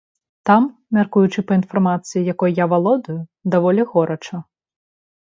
Там, мяркуючы па інфармацыі, якой я валодаю, даволі горача.